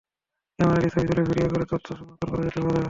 Camera দিয়ে ছবি তুলে, ভিডিও করেও তথ্য সংরক্ষণ করা যেতে পারে।